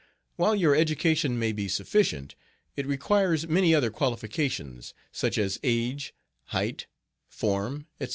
While your education may be sufficient, it requires many other qualifications such as age, height, form, etc.